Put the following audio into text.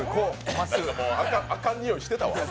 あかんにおいしてたわ。